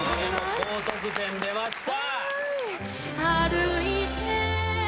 高得点出ました！